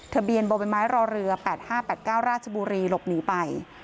ทะเบียนบ่อใบไม้รอเรือ๘๕๘๙ราชบุรีหลบหนีไป